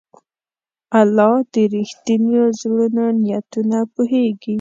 الله د رښتینو زړونو نیتونه پوهېږي.